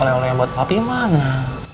oleh oleh yang buat kopi mana